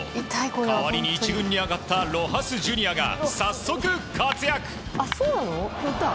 代わりに１軍に上がったロハス・ジュニアが早速、活躍。